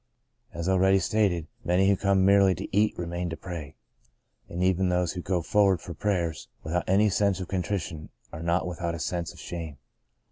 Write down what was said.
As already stated, many who come merely to eat remain to pray. And even those who *' go forward " for prayers without any sense of contrition are not without a sense of shame.